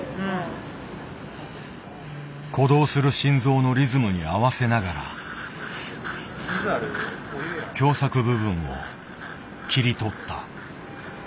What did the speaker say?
鼓動する心臓のリズムに合わせながら狭さく部分を切り取った。